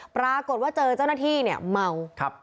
ปรากฏว่าเจอเจ้าหน้าที่เนี่ยเมา